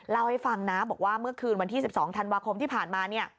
เล่าให้ฟังนะบอกว่าเมื่อคืนวันที่๑๒ธันวาคมที่ผ่านมาเนี่ย